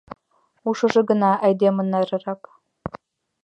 — Ушыжо гына айдемын нарыракак.